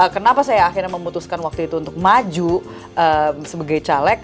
kenapa saya akhirnya memutuskan waktu itu untuk maju sebagai caleg